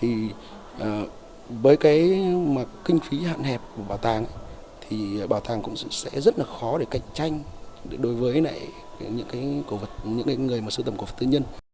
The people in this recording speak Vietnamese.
thì với cái mà kinh phí hạn hẹp của bảo tàng thì bảo tàng cũng sẽ rất là khó để cạnh tranh đối với những người mà sưu tầm cổ vật tư nhân